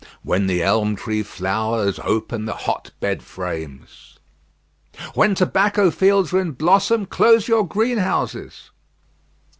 "When the elm tree flowers, open the hot bed frames." "When tobacco fields are in blossom, close your greenhouses."